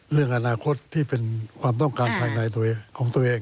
เรื่องอาหารคลตที่เป็นความต้องการภายในของตัวเอง